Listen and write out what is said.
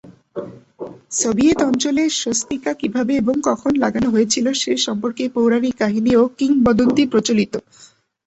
Soviet অঞ্চলে স্বস্তিকা কীভাবে এবং কখন লাগানো হয়েছিল সে সম্পর্কে পৌরাণিক কাহিনী ও কিংবদন্তি প্রচলিত।